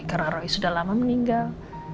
karena roy sudah lama meninggal